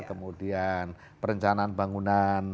kemudian perencanaan bangunan